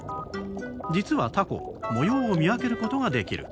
実はタコ模様を見分けることができる。